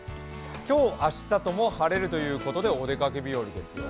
今日、明日とも晴れるということでお出かけ日和ですよ。